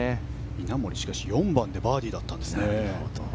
稲森は４番でバーディーだったんですね。